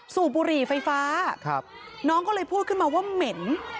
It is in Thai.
สูบบุหรี่ไฟฟ้าน้องก็เลยพูดขึ้นมาว่าเหม็น